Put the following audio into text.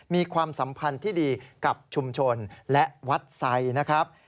มีความสัมพันธ์ที่ดีกับชุมชนและวัดไซค์นะครับ